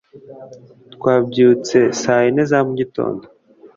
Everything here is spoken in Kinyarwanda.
twabyutse saa yine za mu gitondo